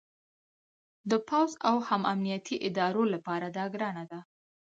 د پوځ او هم امنیتي ادارو لپاره دا ګرانه ده